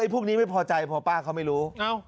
พวกนี้ไม่พอใจพอป้าเขาไม่รู้